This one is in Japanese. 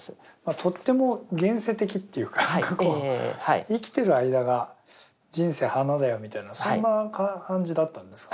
とっても現世的っていうか生きてる間が人生華だよみたいなそんな感じだったんですか？